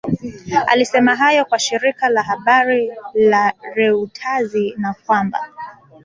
Alisema hayo kwa shirika la habari la Reuttazi na kwamba